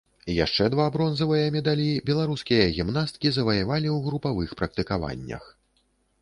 Яшчэ два бронзавыя медалі беларускія гімнасткі заваявалі ў групавых практыкаваннях.